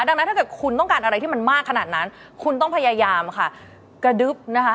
ดังนั้นถ้าเกิดคุณต้องการอะไรที่มันมากขนาดนั้นคุณต้องพยายามค่ะกระดึ๊บนะคะ